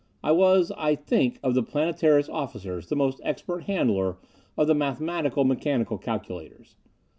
I was, I think, of the Planetara's officers the most expert handler of the mathematical mechanical calculators.